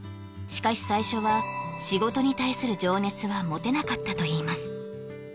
しかし最初は仕事に対する情熱は持てなかったといいます